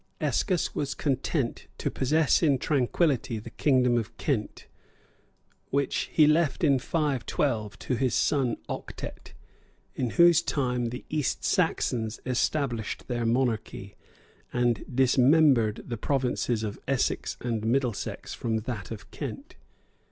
Escus was content to possess in tranquillity the kingdom of Kent, which he left in 512 to his son Octet, in whose time the East Saxons established their monarchy, and dismembered the provinces of Essex and Middlesex from that of Kent.